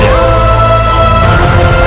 untuk mata latar